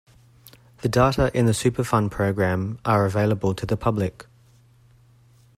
The data in the Superfund Program are available to the public.